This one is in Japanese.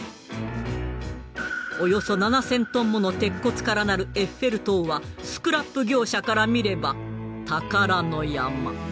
およそ７，０００トンもの鉄骨からなるエッフェル塔はスクラップ業者から見れば宝の山。